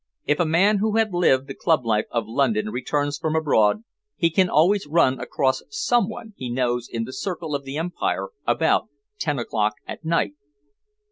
If a man who had lived the club life of London returns from abroad, he can always run across someone he knows in the circle of the Empire about ten o'clock at night.